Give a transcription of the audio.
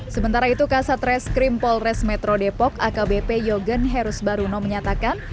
sementara itu kasat reskrim polres metro depok akbp yogen herusbaruno menyatakan